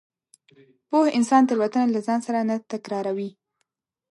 پوه انسان تېروتنه له ځان سره نه تکراروي.